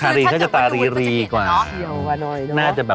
ใส่หน้าแต่ชานะเขาก็จะเฉย